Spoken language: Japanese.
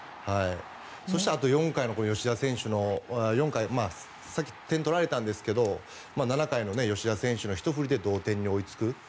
そして、あと４回の吉田選手の先に点を取られたんですけど７回の吉田選手のひと振りで同点に追いつく。